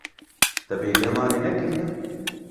Te bêriya malê nekiriye.